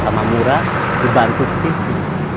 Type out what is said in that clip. sama mura dibantu pipi